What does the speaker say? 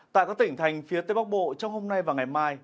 tại các tỉnh thành phía tây bắc bộ trong hôm nay và ngày mai